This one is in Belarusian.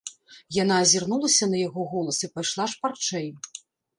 Яна азірнулася на яго голас і пайшла шпарчэй.